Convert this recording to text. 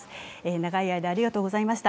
長い間、ありがとうございました。